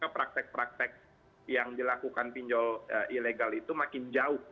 praktek praktek yang dilakukan pinjol ilegal itu makin jauh